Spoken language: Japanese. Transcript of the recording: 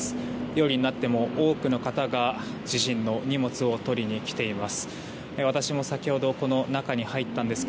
夜になっても多くの方が自身の荷物を取りに来ています。